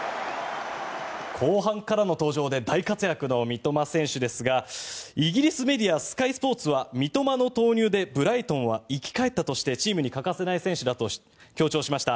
後半からの登場で大活躍の三笘選手ですがイギリスメディアスカイスポーツは三笘の投入でブライトンは生き返ったとしてチームに欠かせない選手だと強調しました。